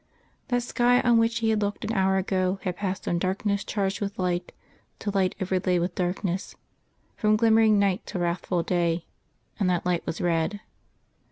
That sky on which he had looked an hour ago had passed from darkness charged with light to light overlaid with darkness from glimmering night to Wrathful Day and that light was red....